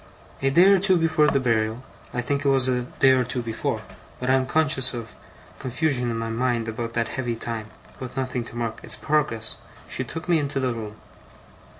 A day or two before the burial I think it was a day or two before, but I am conscious of confusion in my mind about that heavy time, with nothing to mark its progress she took me into the room.